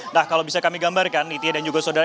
nah kalau bisa kami gambarkan nitya dan juga saudara